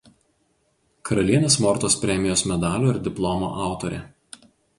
Karalienės Mortos premijos medalio ir diplomo autorė.